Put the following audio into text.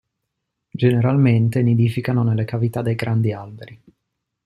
Generalmente nidificano nelle cavità dei grandi alberi.